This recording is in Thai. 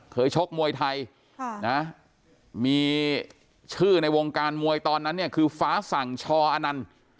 ชกมวยไทยมีชื่อในวงการมวยตอนนั้นเนี่ยคือฟ้าสั่งชอนันต์